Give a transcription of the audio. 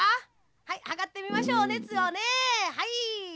はいはかってみましょうおねつをね。はい」。